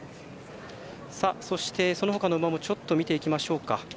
そして、そのほかの馬も見ていきましょうか。